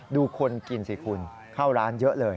ดูคนกินสิคุณเข้าร้านเยอะเลย